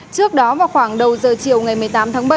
trước đó vào khoảng đầu giờ chiều ngày một mươi tám tháng bảy